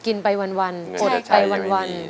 กินไปวันอดไปวัน